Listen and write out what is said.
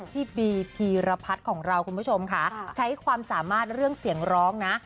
พี่บีธีรพัฒน์ของเราคุณผู้ชมค่ะใช้ความสามารถเรื่องเสียงร้องนะ